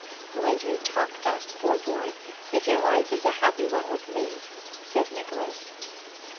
'Why do you talk thus, poor boy, if your life is a happy one with me?' said Nicholas.